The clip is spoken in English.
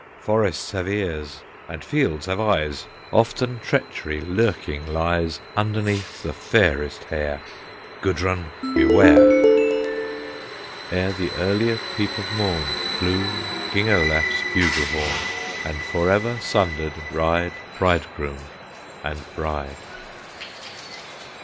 "Forests have ears, and fields have eyes; Often treachery lurking lies Underneath the fairest hair! Gudrun beware!" Ere the earliest peep of morn Blew King Olaf's bugle horn; And forever sundered ride Bridegroom and bride!